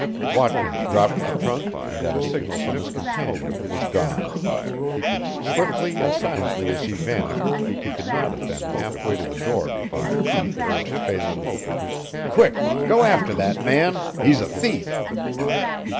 Watkins dropped the trunk and at a signal from his companion was gone. Swiftly and silently as he vanished, he could not have been half way to the door before the thief urged Phelan: "Quick go after that man he's a thief!"